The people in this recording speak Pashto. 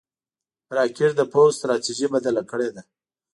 راکټ د پوځ ستراتیژي بدله کړې ده